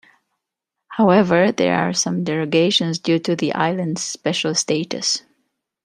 However, there are some derogations due to the islands' special status.